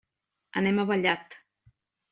Anem a Vallat.